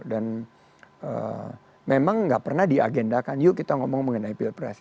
dan memang gak pernah diagendakan yuk kita ngomong mengenai pilpres